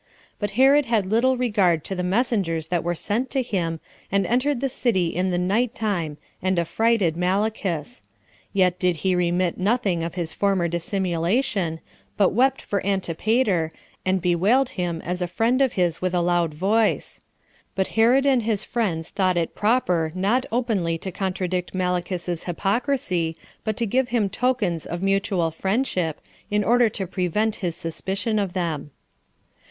But Herod had little regard to the messengers that were sent to him, and entered the city in the night time, and affrighted Malichus; yet did he remit nothing of his former dissimulation, but wept for Antipater, and bewailed him as a friend of his with a loud voice; but Herod and his friends though, it proper not openly to contradict Malichus's hypocrisy, but to give him tokens of mutual friendship, in order to prevent his suspicion of them.